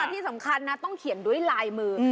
ที่สำคัญนะต้องเขียนด้วยลายมือ